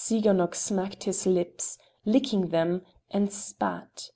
Tsiganok smacked his lips, licking them, and spat.